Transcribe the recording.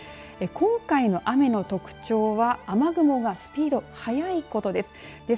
今回の雨の特徴は雨雲がスピード、速いことです。